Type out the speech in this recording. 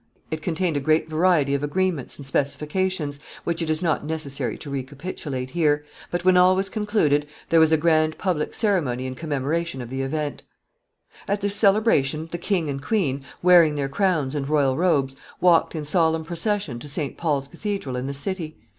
It contained a great variety of agreements and specifications, which it is not necessary to recapitulate here, but when all was concluded there was a grand public ceremony in commemoration of the event. [Sidenote: Procession.] At this celebration the king and queen, wearing their crowns and royal robes, walked in solemn procession to St. Paul's Cathedral in the city.